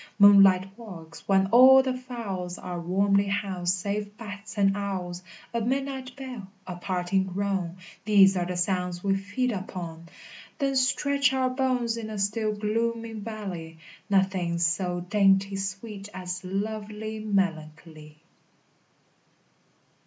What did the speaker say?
Moonlight walks, when all the fowls Are warmly housed save bats and owls! A midnight bell, a parting groan! These are the sounds we feed upon; Then stretch our bones in a still gloomy valley: Nothing's so dainty sweet as lovely melancholy.